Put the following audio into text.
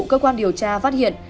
cơ quan điều tra phát hiện